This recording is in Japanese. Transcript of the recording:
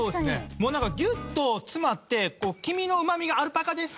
もうなんかギュッと詰まって黄身のうまみがアルパカです！